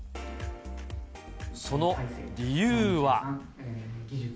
その理由は。